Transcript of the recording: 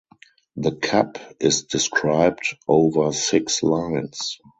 The cup is described over six lines.